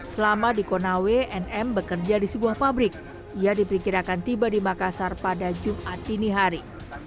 selama di konawe nm bekerja di sebuah pabrik ia diperkirakan tiba di makassar pada jumat ini hari